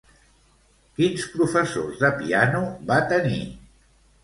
Quins professors de piano va tenir?